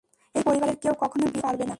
এই পরিবারের কেউ কখনো বিয়ে করতে পারবে না।